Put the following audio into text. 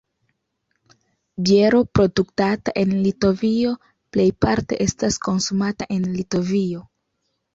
Biero produktata en Litovio plejparte estas konsumata en Litovio.